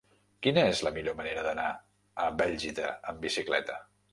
Quina és la millor manera d'anar a Bèlgida amb bicicleta?